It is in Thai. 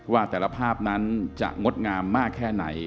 ว่าแต่ละภาพนั้นจะงดงามมากแค่ไหน